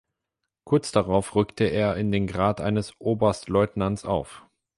Kurz darauf rückte er in den Grad eines Oberstleutnants auf.